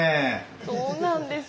そうなんです。